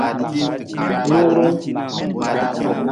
Nurung.